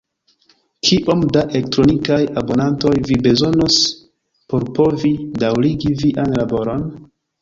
Kiom da elektronikaj abonantoj vi bezonos por povi daŭrigi vian laboron?